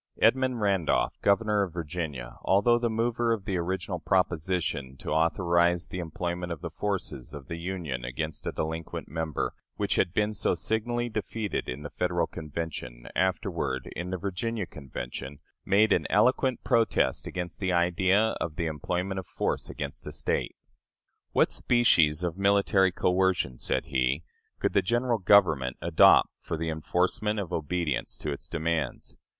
Edmund Randolph, Governor of Virginia, although the mover of the original proposition to authorize the employment of the forces of the Union against a delinquent member, which had been so signally defeated in the Federal Convention, afterward, in the Virginia Convention, made an eloquent protest against the idea of the employment of force against a State. "What species of military coercion," said he, "could the General Government adopt for the enforcement of obedience to its demands?